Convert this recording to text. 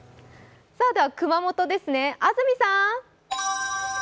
熊本ですね、安住さん。